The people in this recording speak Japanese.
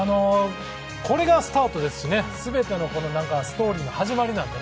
これがスタートですし全てのストーリーの始まりなので。